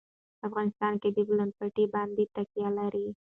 افغانستان په د بولان پټي باندې تکیه لري.